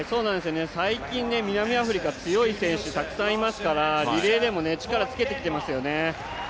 最近、南アフリカ強い選手たくさんいますからリレーでも力つけてきてますよね。